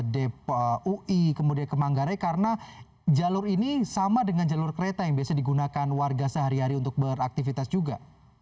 dari ui kemudian ke manggarai karena jalur ini sama dengan jalur kereta yang biasa digunakan warga sehari hari untuk beraktivitas juga